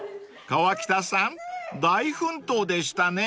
［河北さん大奮闘でしたね］